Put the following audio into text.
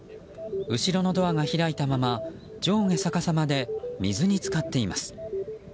後ろのドアが開いたまま上下さかさまで水に浸かっています。